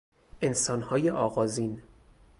انسانهای آغازین